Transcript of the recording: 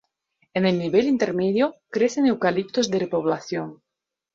En el nivel intermedio crecen eucaliptos de repoblación.